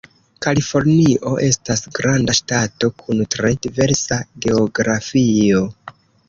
Kalifornio estas granda ŝtato kun tre diversa geografio.